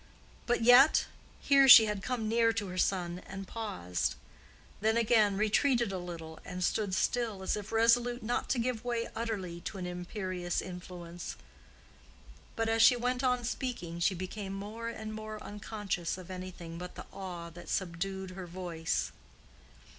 But yet"—here she had come near to her son, and paused; then again retreated a little and stood still, as if resolute not to give way utterly to an imperious influence; but, as she went on speaking, she became more and more unconscious of anything but the awe that subdued her voice.